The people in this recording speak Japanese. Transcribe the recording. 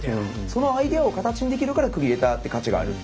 そのアイデアを形にできるからクリエイターって価値があるっていう。